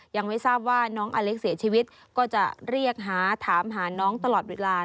ยังไม่ทราบว่าน้องอเล็กเสียชีวิตก็จะเรียกหาถามหาน้องตลอดเวลา